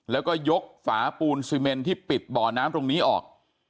แล้วก็ยกฝาปูนซีเมนที่ปิดบ่อน้ำตรงนี้ออก